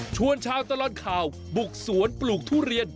ชวนชาวตลอดข่าวบุกสวนปลูกทุเรียน